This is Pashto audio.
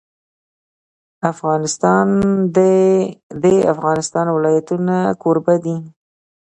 افغانستان د د افغانستان ولايتونه کوربه دی.